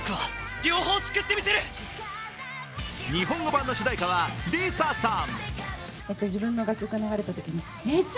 日本語版の主題歌はＬｉＳＡさん。